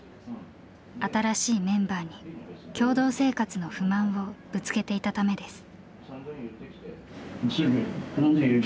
新しいメンバーに共同生活の不満をぶつけていたためです。